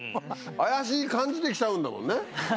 怪しい感じで来ちゃうんだもんね。